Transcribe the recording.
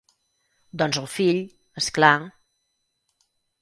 Doncs el fill, és clar...